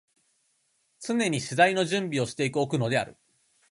常に詩材の準備をして置くのである。